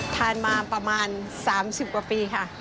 ทานมาประมาณ๓๐กว่าปีค่ะ